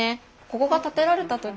ここが建てられた時